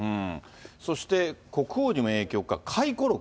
そして国王にも影響か、回顧録。